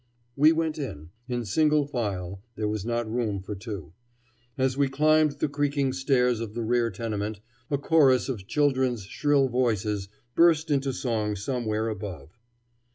We went in, in single file; there was not room for two. As we climbed the creaking stairs of the rear tenement, a chorus of children's shrill voices burst into song somewhere above.